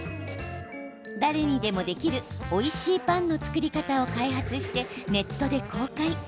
誰にでもできる、おいしいパンの作り方を開発してネットで公開。